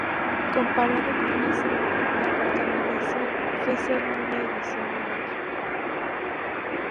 Comparado con eso, la contaminación fue sólo una adición menor.